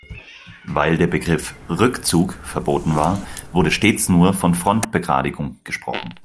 Weil der Begriff "Rückzug" verboten war, wurde stets nur von Frontbegradigung gesprochen.